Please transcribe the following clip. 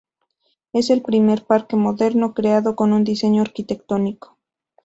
Es el primer parque moderno, creado con un diseño arquitectónico.